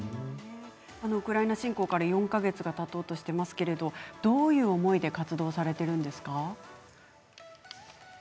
ウクライナ侵攻から４か月がたとうとしていますがどういう思いで活動されているんですか？